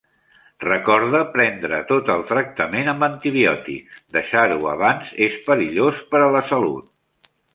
Recorda prendre tot el tractament amb antibiòtics, deixar-ho abans és perillós per a la salut.